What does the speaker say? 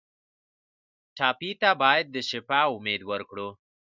ټپي ته باید د شفا امید ورکړو.